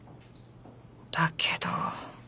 だけど。